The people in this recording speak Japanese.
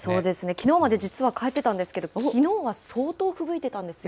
きのうまで実は帰ってたんですけど、きのうは相当ふぶいてたんですよ。